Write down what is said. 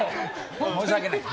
申し訳ない。